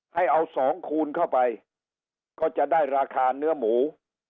ให้เอาสองคูณเข้าไปก็จะได้ราคาเนื้อหมู